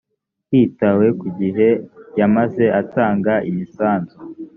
hitawe ku gihe yamaze atanga imisanzu